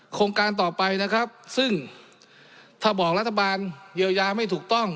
โครงการต่อไปนะครับซึ่งถ้าบอกรัฐบาลเยียวยาไม่ถูกต้อง